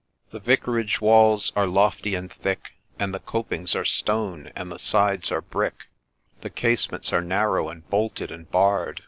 The Vicarage walls are lofty and thick, And the copings are stone, and the sides are brick, The casements are narrow, and bolted and barr'd.